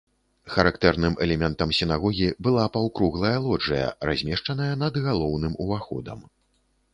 Характэрным элементам сінагогі была паўкруглая лоджыя, размешаная над галоўным уваходам.